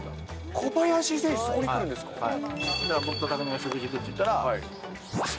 小林選手、そこに来るんですはい。